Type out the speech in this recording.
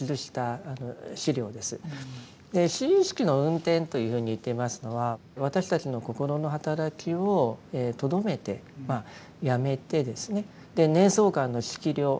「心意識の運転」というふうに言っていますのは私たちの心の働きをとどめてやめてですね「念想観の測量」